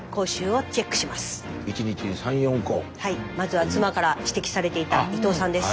まずは妻から指摘されていた伊藤さんです。